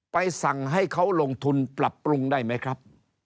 สั่งให้เขาลงทุนปรับปรุงได้ไหมครับ